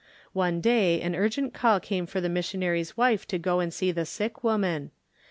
One day an urgent call came for the missionary's wife to go and see the sick woman.